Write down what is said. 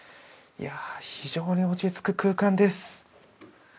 非常に落ち着く空間です。